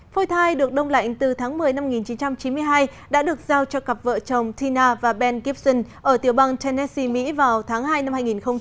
phôi thai được đông lạnh từ tháng một mươi năm một nghìn chín trăm chín mươi hai đã được giao cho cặp vợ chồng tina và ben gibson ở tiểu bang tennessi mỹ vào tháng hai năm hai nghìn hai mươi